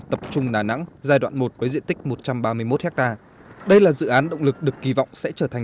tập trung đà nẵng giai đoạn một với diện tích một trăm ba mươi một ha đây là dự án động lực được kỳ vọng sẽ trở thành